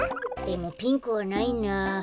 でもピンクはないな。